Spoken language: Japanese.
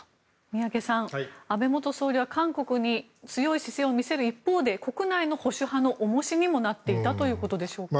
宮家さん安倍元総理は韓国に強い姿勢を見せる一方で国内の保守派の重しにもなっていたということでしょうか。